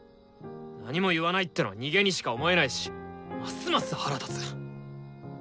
何も言わないってのは逃げにしか思えないしますます腹立つ。